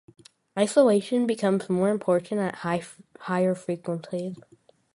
Isolation becomes more important at higher frequencies.